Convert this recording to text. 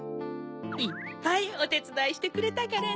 いっぱいおてつだいしてくれたからね。